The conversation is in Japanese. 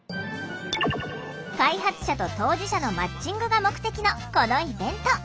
開発者と当事者のマッチングが目的のこのイベント。